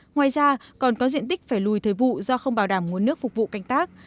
ngoài ra còn có diện tích phải lùi thời vụ do không bảo đảm nguồn nước phục vụ canh tác